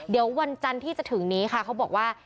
เดี๋ยววันจันทร์ที่จะถึงนี้ค่ะเขาบอกว่า